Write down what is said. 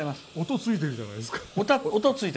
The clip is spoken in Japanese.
音ついてるじゃないですか。